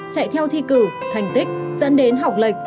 chạy theo thi cử thành tích dẫn đến học lệch